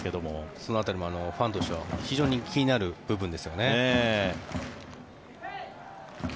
その辺りもファンとしては非常に気になる部分ですよね。